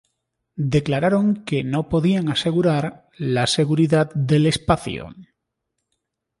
declararon que no podían asegurar la seguridad del espacio